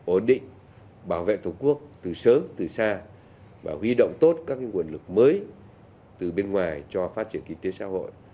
ổn định bảo vệ tổ quốc từ sớm từ xa và huy động tốt các nguồn lực mới từ bên ngoài cho phát triển kinh tế xã hội